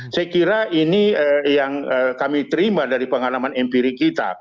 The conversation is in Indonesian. saya kira ini yang kami terima dari pengalaman empiri kita